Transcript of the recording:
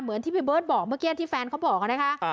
เหมือนที่พี่เบิร์ดบอกเมื่อกี้ที่แฟนเขาบอกนะคะอ่า